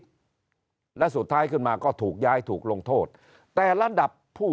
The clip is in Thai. และสุดท้ายขึ้นมาก็ถูกย้ายถูกลงโทษแต่ระดับผู้